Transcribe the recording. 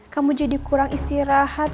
kamu jadi kurang istirahat